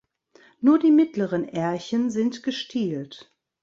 Nur die mittleren Ährchen sind gestielt.